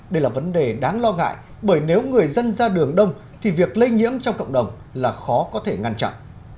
đây là vấn đề đáng lo ngại bởi nếu người dân ra đường đông thì việc lây nhiễm trong cộng đồng là khó có thể ngăn chặn